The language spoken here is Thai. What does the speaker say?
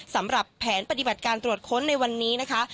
สำหรับแผนปฏิบัติการตรวจค้นในวันนี้นะคะ